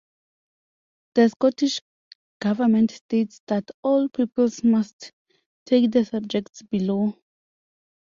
The Scottish Government states that all pupils must take the subjects below.